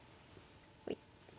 はい。